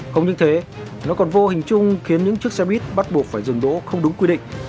không những thế nó còn vô hình chung khiến những chiếc xe buýt bắt buộc phải dừng đỗ không đúng quy định